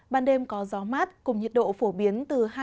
ban đêm có gió mát cùng nhiệt độ phổ biến